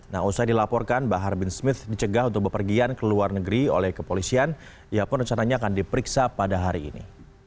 nah usai dilaporkan bahar bin smith dicegah untuk bepergian ke luar negeri oleh kepolisian ia pun rencananya akan diperiksa pada hari ini